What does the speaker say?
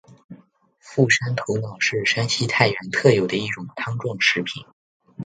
傅山头脑是山西太原特有的一种汤状食品。